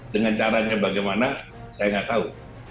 dengan caranya bagaimana saya nggak tahu